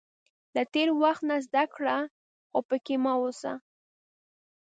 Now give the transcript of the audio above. • له تېر وخت نه زده کړه، خو پکې مه اوسه.